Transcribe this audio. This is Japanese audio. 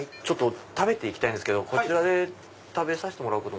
食べて行きたいんですけどこちらで食べさせてもらうこと。